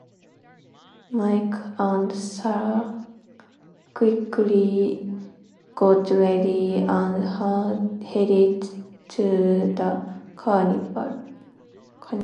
Mike and Sarah quickly got ready and headed to the carnival.